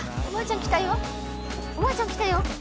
おばあちゃん来たよ